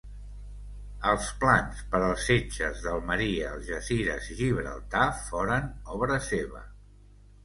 Els plans per als setges d'Almeria, Algesires i Gibraltar foren obra seva.